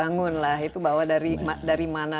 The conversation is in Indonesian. bangunlah itu bawa dari mana